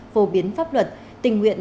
phổ biến pháp luật tình nguyện